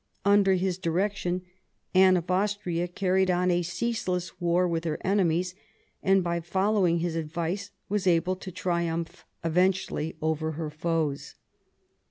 Under his direction Anne of Austria carried on a ceaseless war with her enemies, and by following his advice was able to triumph eventually over her foes.